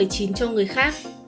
cho người khác